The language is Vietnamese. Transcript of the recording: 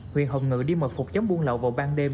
huyền hồng ngự đi mật phục chóng buôn lậu vào ban đêm